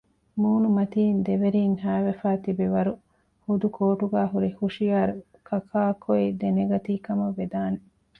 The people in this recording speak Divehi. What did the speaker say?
މޫނުމަތީން ދެވެރީން ހައިވެފައި ތިބި ވަރު ހުދުކޯޓުގައި ހުރި ހުޝިޔާރު ކަކާކޮއި ދެނެގަތީ ކަމަށް ވެދާނެ